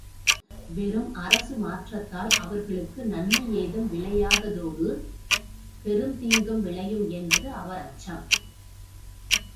வெறும் அரசு மாற்றத்தால் அவர்களுக்கு நன்மை ஏதும் விளையாததோடு பெருந்தீங்கும் விளையும் என்பது அவர் அச்சம்.